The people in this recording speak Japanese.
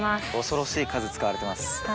恐ろしい数使われてます。